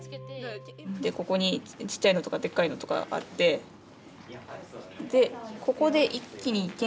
でここにちっちゃいのとかでっかいのとかあってでここで一気に減速しちゃう。